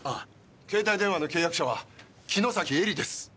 携帯電話の契約者は城崎愛梨です。